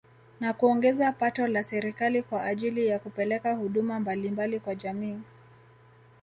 Na kuongeza pato la serikali kwa ajili ya kupeleka huduma mbalimbali kwa jamii